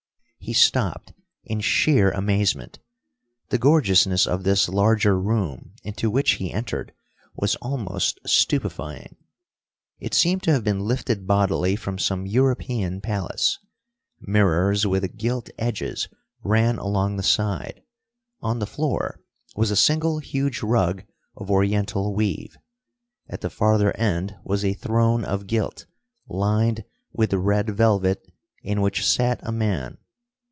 He stopped in sheer amazement. The gorgeousness of this larger room into which he entered was almost stupefying. It seemed to have been lifted bodily from some European palace. Mirrors with gilt edges ran along the side. On the floor was a single huge rug of Oriental weave. At the farther end was a throne of gilt, lined with red velvet in which sat a man.